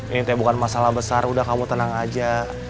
ini bukan masalah besar udah kamu tenang aja